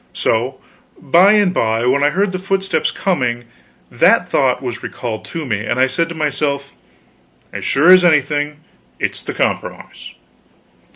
So, by and by when I heard footsteps coming, that thought was recalled to me, and I said to myself, "As sure as anything, it's the compromise.